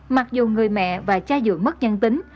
mặc dù người mẹ và cha dưỡng mất nhân tính